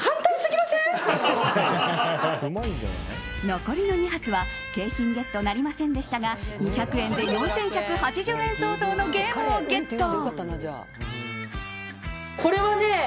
残りの２発は景品ゲットなりませんでしたが２００円で４１８０円相当のゲームをゲット。